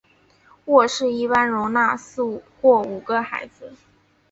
卧室一般容纳四或五个孩子。